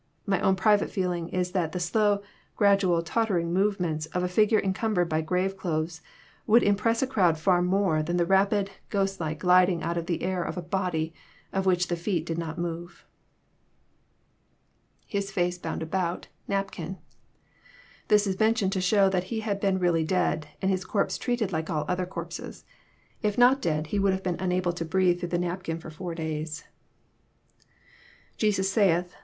My own private feeling is that the slow, gradual, tottering movements of a figure encumbered by grave clothes would impress a crowd far more than the rapid, ghost like gliding out in air of a body, of which the feet did not move. IHiaface hound about.. ^napkin,'] This is mentioned to show that he had been really dead, and his corpse treated like all other corpses. If not dead, he would have been unable to bi^athe through the napkin for four days. [Jesus saith...